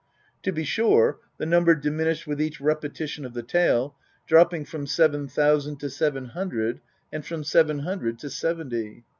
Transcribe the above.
To be sure the number diminished with each repetition of the tale, dropping from seven thousand to seven hundred and from seven hundred to seventy.